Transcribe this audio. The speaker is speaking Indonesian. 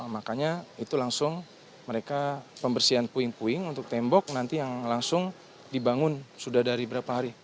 makanya itu langsung mereka pembersihan puing puing untuk tembok nanti yang langsung dibangun sudah dari berapa hari